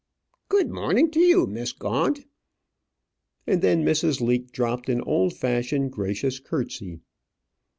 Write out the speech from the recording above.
Good morning to you, Miss Gaunt," and then Mrs. Leake dropt an old fashioned gracious curtsy.